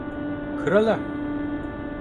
Krala…